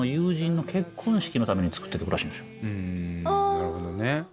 なるほどね。